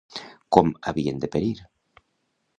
Com havien de perir?